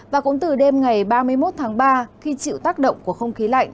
và cũng từ đêm ngày ba mươi một tháng ba khi chịu tác động của không khí lạnh